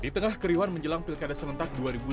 di tengah keriuan menjelang pilkada sementak